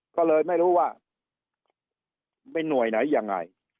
ก็เลยไม่รู้ว่าเป็นหน่วยไหนยังไง